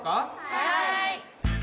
はい！